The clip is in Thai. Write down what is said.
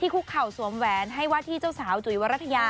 คุกเข่าสวมแหวนให้ว่าที่เจ้าสาวจุ๋ยวรัฐยา